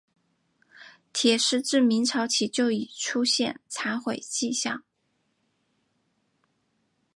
铁狮自明朝起就已出现残毁迹象。